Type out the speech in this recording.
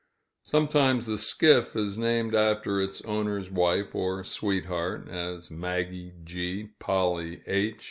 Sometimes the skiff is named after its owner's wife or sweetheart, as "Maggie G.," "Polly H.